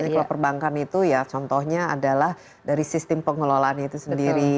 tapi kalau perbankan itu ya contohnya adalah dari sistem pengelolaan itu sendiri